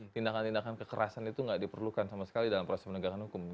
tindakan tindakan kekerasan itu nggak diperlukan sama sekali dalam proses penegakan hukum